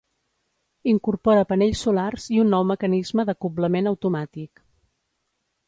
Incorpora panells solars i un nou mecanisme d'acoblament automàtic.